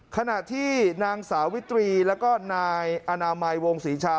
ขณะที่นางสาวิตรีแล้วก็นายอนามัยวงศรีชา